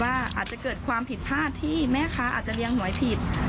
อาจจะเกิดความผิดพลาดที่แม่ค้าอาจจะเลี้ยงหวยผิด